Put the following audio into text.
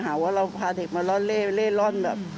หาว่าเราพาเด็กมาร่อนเล่ไปเล่ร่อนแบบ